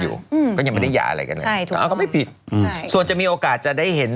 อยู่อืมก็ยังไม่ได้หย่าอะไรกันเลยใช่ถูกเอาก็ไม่ผิดอืมส่วนจะมีโอกาสจะได้เห็น